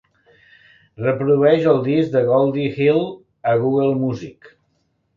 Reprodueix el disc de Goldie Hill a Google Music.